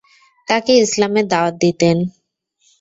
তাকে ইসলামের দাওয়াত দিতেন।